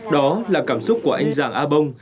đó là cảm xúc của anh giàng a bông